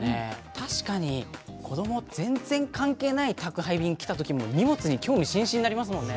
確かに子ども全然関係ない宅配便来たときも荷物に興味津々になりますもんね。